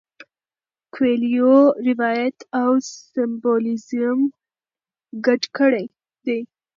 کویلیو روایت او سمبولیزم ګډ کړي دي.